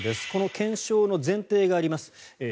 この検証の前提があります。